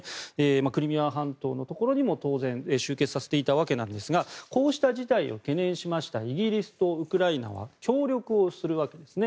クリミア半島のところにも当然、集結させていましたがこうした事態を懸念したイギリスとウクライナは協力をするわけですね。